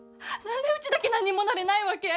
何でうちだけ何にもなれないわけ？